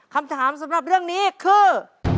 คำถามสำหรับเรื่องนี้คือ